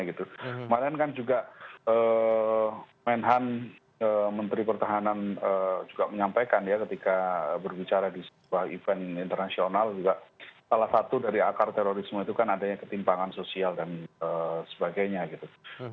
kemarin kan juga menhan menteri pertahanan juga menyampaikan ya ketika berbicara di sebuah event internasional juga salah satu dari akar terorisme itu kan adanya ketimpangan sosial dan sebagainya gitu